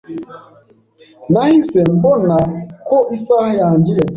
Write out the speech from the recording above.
Nahise mbona ko isaha yanjye yagiye.